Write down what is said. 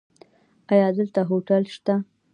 ایا دلته هوټل شته؟